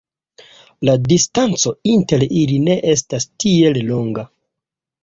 La distanco inter ili ne estas tiel longa.